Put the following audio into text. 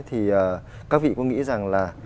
thì các vị có nghĩ rằng là